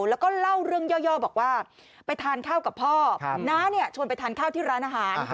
แล้วก็เล่าเรื่องย่อบอกว่าไปทานข้าวกับพ่อน้าชวนไปทานข้าวที่ร้านอาหาร